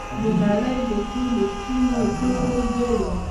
د نړۍ د ټولو سپینو، تورو، زیړو